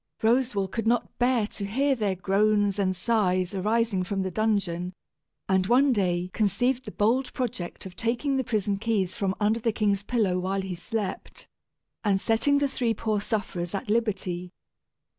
Roswal could not bear to hear their groans and sighs arising from the dungeon, and one day conceived the bold project of taking the prison keys from under the king's pillow while he slept, and setting the three poor sufferers at liberty.